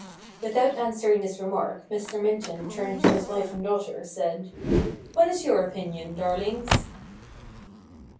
Without answering this remark, Mr. Minton, turning to his wife and daughter, said :' What is your opinion, darlings